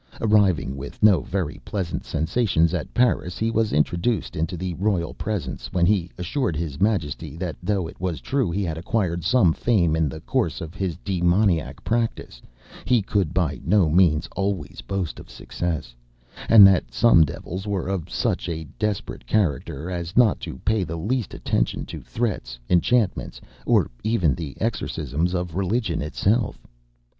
Arriving with no very pleasant sensations at Paris, he was introduced into the royal presence, when he assured his majesty that though it was true he had acquired some fame in the course of his demoniac practice, he could by no means always boast of success, and that some devils were of such a desperate character as not to pay the least attention to threats, enchantments, or even the exorcisms of religion itself.